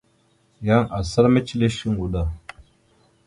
Yan asal mecəle shuŋgo da.